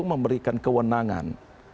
yang juga memberikan kewenangan